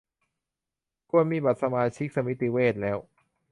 ควรมีบัตรสมาชิกสมิติเวชแล้ว